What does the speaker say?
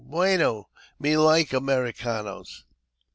bueno ! me like Americanos."